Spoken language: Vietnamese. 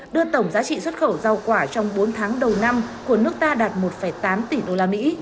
đưa tổng giá trị xuất khẩu rau quả trong bốn tháng đầu năm của nước ta đạt một tám tỷ đô la mỹ